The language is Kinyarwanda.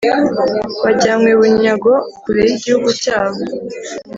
bajyanywe bunyago kure y’igihugu cyabo.